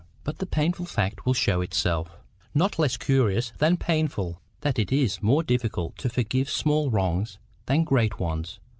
But the painful fact will show itself, not less curious than painful, that it is more difficult to forgive small wrongs than great ones.